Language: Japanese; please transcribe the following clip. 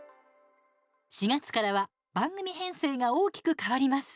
４月からは番組編成が大きく変わります。